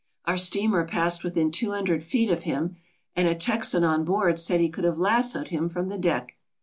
Our steamer passed within two hundred feet of him, and a Texan on board said he could have lassoed him from the deck.